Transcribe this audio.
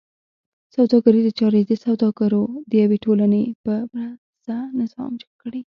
سوداګریزې چارې د سوداګرو د یوې ټولنې په مرسته تنظیم کړې.